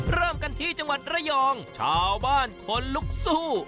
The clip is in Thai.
เริ่มกันที่จังหวัดระยองชาวบ้านคนลุกสู้